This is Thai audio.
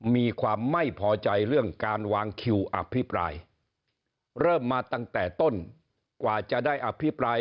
มีความไม่พอใจเรื่องการวางคิวอภิปรายเริ่มมาตั้งแต่ต้นกว่าจะได้อภิปราย